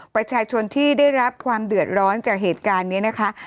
ประชาชนที่ได้รับความเดือดร้อนจากเหตุการณ์นี้นะคะ